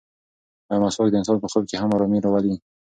ایا مسواک د انسان په خوب کې هم ارامي راولي؟